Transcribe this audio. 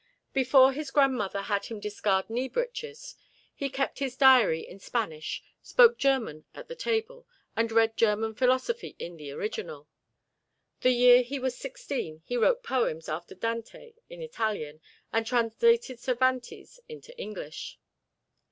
Before his grandmother had him discard knee breeches, he kept his diary in Spanish, spoke German at the table, and read German philosophy in the original. The year he was sixteen he wrote poems after Dante in Italian and translated Cervantes into English.